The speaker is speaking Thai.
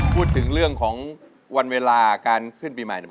พูดถึงเรื่องของวันเวลาการขึ้นปีใหม่เนี่ย